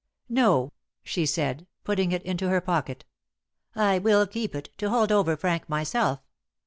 "No," she said, putting it into her pocket, "I will keep it, to hold over Frank myself.